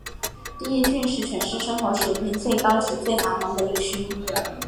第一郡是全市生活水平最高及最繁忙的一区。